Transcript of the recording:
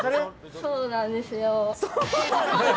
そうなんですよ。